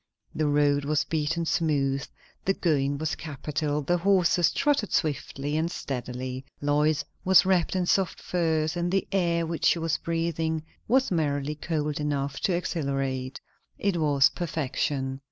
The road was beaten smooth, the going was capital, the horses trotted swiftly and steadily, Lois was wrapped in soft furs, and the air which she was breathing was merely cold enough to exhilarate. It was perfection.